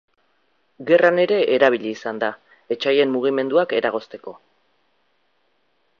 Gerran ere erabili izan da, etsaien mugimenduak eragozteko.